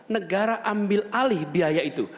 negara ambil alih biaya itu